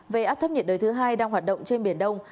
về áp thấp nhiệt đới thứ hai đang hoạt động trên biển đông